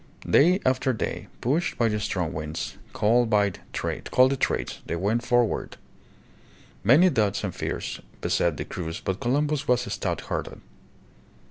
Day after day, pushed by the strong winds, called the "trades/' they went forward. Many doubts and fears beset the crews, but Columbus was stout hearted.